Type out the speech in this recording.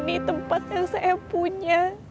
cuma ini tempat yang saya punya